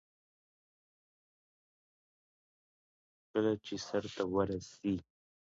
لوڼي دوعا ګویه دي.